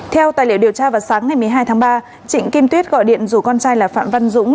theo tài liệu điều tra vào sáng ngày một mươi hai tháng ba trịnh kim tuyết gọi điện rủ con trai là phạm văn dũng